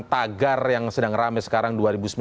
tagar yang sedang rame sekarang dua ribu sembilan belas